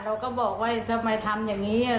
เราก็บอกว่าจะมาทำอย่างนี้